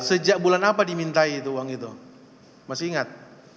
sejak bulan apa dimintai itu uang itu masih ingat